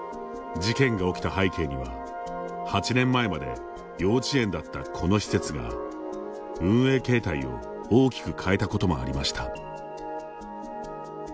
事件が起きた背景には８年前まで幼稚園だったこの施設が運営形態を大きく変えたこともありました。